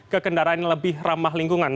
ke kendaraan yang lebih ramah lingkungan